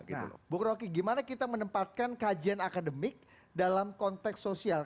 bu rocky gimana kita menempatkan kajian akademik dalam konteks sosial